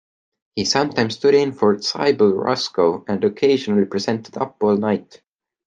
He sometimes stood in for Sybil Ruscoe, and occasionally presented "Up All Night".